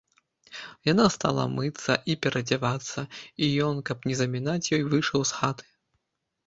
Яна стала мыцца і пераадзявацца, і ён, каб не замінаць ёй, выйшаў з хаты.